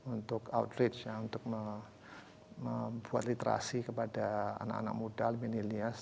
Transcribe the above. untuk outreach ya untuk membuat literasi kepada anak anak muda limina lias